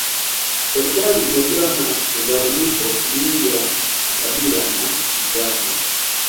Serikali imejawa na migawanyiko mingi ya kikabila na kisiasa